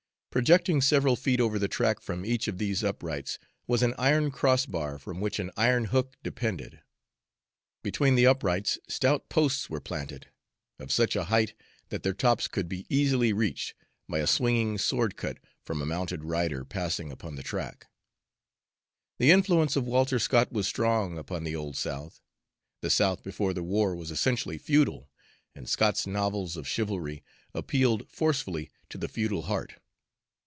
Projecting several feet over the track from each of these uprights was an iron crossbar, from which an iron hook depended. Between the uprights stout posts were planted, of such a height that their tops could be easily reached by a swinging sword cut from a mounted rider passing upon the track. The influence of Walter Scott was strong upon the old South. The South before the war was essentially feudal, and Scott's novels of chivalry appealed forcefully to the feudal heart.